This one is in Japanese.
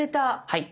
はい。